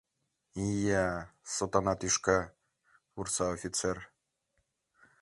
— Ия... сотана тӱшка! — вурса офицер.